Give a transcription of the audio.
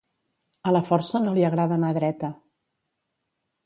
A la força no li agrada anar dreta.